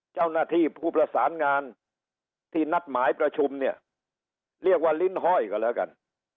เจ้าหน้าที่ผู้ประสานงานที่นัดหมายประชุมเนี่ยเรียกว่าลิ้นห้อยก็แล้วกัน